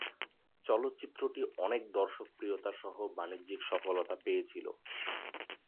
চলচ্চিত্রটি অনেক দর্শকপ্রিয়তা সহ বাণিজ্যিক সফলতা পেয়েছিল।